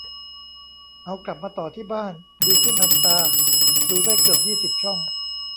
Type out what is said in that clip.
เอากลับมาต่อที่บ้าน ดีขึ้นทันตา ดูได้เกือบยี่สิบช่อง